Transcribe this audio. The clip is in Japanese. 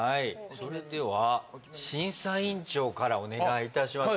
それでは審査員長からお願いいたします